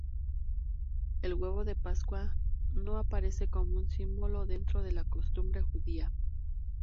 El huevo de Pascua no aparece como un símbolo dentro de la costumbre judía.